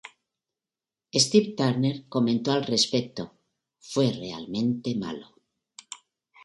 Steve Turner comentó al respecto: "Fue realmente malo.